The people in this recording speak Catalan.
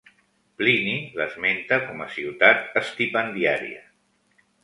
Plini l'esmenta com a ciutat estipendiaria.